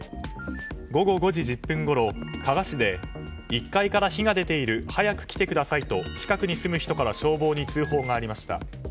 午後５時１０分ごろ、加賀市で１階から火が出ている早く来てくださいと近くに住む人から消防に通報がありました。